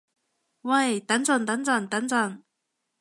喂等陣等陣等陣